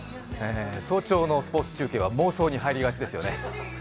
早朝のスポーツ中継は妄想に入りがちですよね。